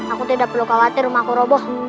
aku tidak perlu khawatir rumahku roboh